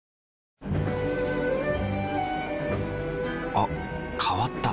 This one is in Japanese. あ変わった。